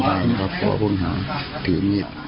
เออก็ไม่ว่าอะไร